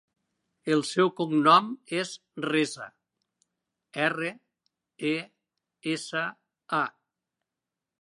El seu cognom és Resa: erra, e, essa, a.